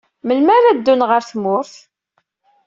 Melmi ara ddun ɣer tmurt?